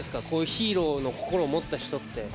ヒーローの心を持った人って。